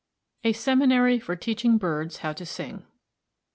A SEMINARY FOR TEACHING BIRDS HOW TO SING.